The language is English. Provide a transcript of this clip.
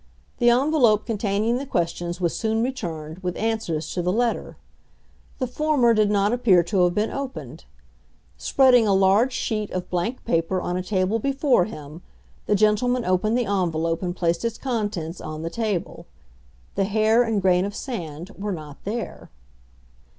The envelope containing the questions was soon returned, with answers to the letter. The former did not appear to have been opened. Spreading a large sheet of blank paper on a table before him, the gentleman opened the envelope and placed its contents on the table. The hair and grain of sand were not there.